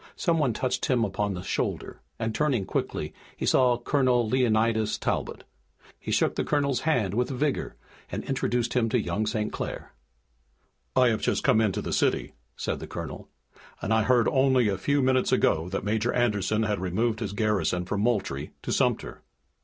Some one touched him upon the shoulder, and turning quickly he saw Colonel Leonidas Talbot. He shook the colonel's hand with vigor, and introduced him to young St. Clair. "I have just come into the city," said the colonel, "and I heard only a few minutes ago that Major Anderson had removed his garrison from Moultrie to Sumter."